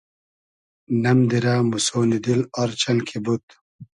نئم دیرۂ موسۉنی دیل آر چئن کی بود